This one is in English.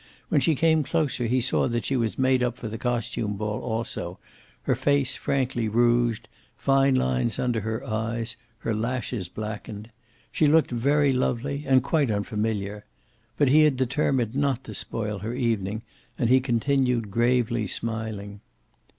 When she came closer he saw that she was made up for the costume ball also, her face frankly rouged, fine lines under her eyes, her lashes blackened. She looked very lovely and quite unfamiliar. But he had determined not to spoil her evening, and he continued gravely smiling.